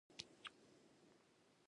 د ځمکې شمال او جنوب قطبین بلل کېږي.